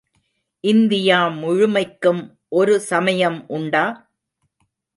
India முழுமைக்கும் ஒரு சமயம் உண்டா?